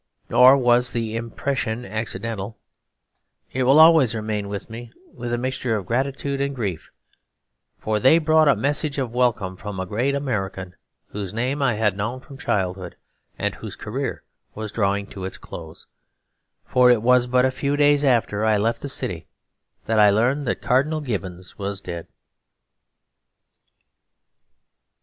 Nor was the impression accidental; it will always remain with me with a mixture of gratitude and grief, for they brought a message of welcome from a great American whose name I had known from childhood and whose career was drawing to its close; for it was but a few days after I left the city that I learned that Cardinal Gibbons was dead.